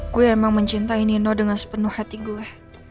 gue emang mencintai nino dengan sepenuh hati gue